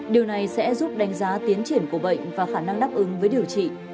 điều này sẽ giúp đánh giá tiến triển của bệnh và khả năng đáp ứng với điều trị